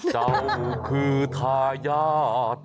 เก่าคือทายาท